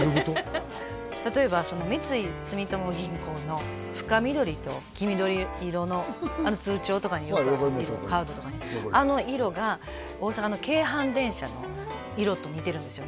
例えばその三井住友銀行の深緑と黄緑色のあの通帳とかによくある色カードとかにあの色が大阪の京阪電車の色と似てるんですよ